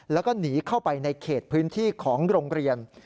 แล้วก็หนีเข้าไปในเขตพื้นที่ของโรงเรียน